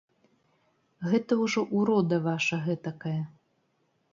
Гэта ўжо ўрода ваша гэтакая.